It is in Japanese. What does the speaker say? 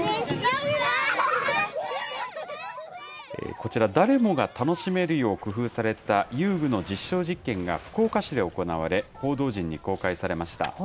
こちら、誰もが楽しめるよう工夫された遊具の実証実験が福岡市で行われ、報道陣に公開されました。